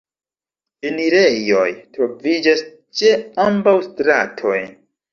Enirejoj troviĝas ĉe ambaŭ stratoj.